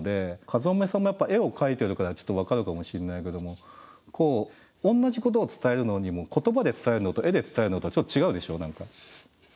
かずまめさんもやっぱ絵を描いてるからちょっと分かるかもしんないけども同じことを伝えるのにも言葉で伝えるのと絵で伝えるのとはちょっと違うでしょう何か。